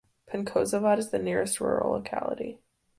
Penkozavod is the nearest rural locality.